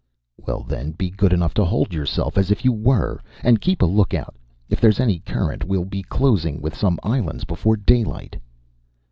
"Well, then, be good enough to hold yourself as if you were. And keep a lookout. If there's any current we'll be closing with some islands before daylight."